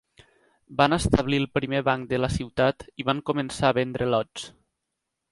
Van establir el primer banc de la ciutat i van començar a vendre lots.